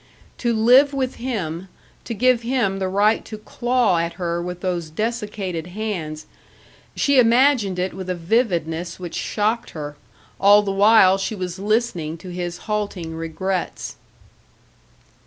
To live with him, to give him the right to claw at her with those desiccated hands she imagined it with a vividness which shocked her, all the while she was listening to his halting regrets.